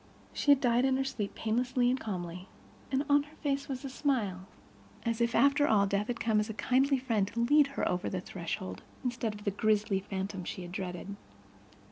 She had died in her sleep, painlessly and calmly, and on her face was a smile—as if, after all, death had come as a kindly friend to lead her over the threshold, instead of the grisly phantom she had dreaded.